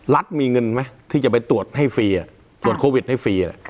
มีเงินไหมที่จะไปตรวจให้ฟรีตรวจโควิดให้ฟรี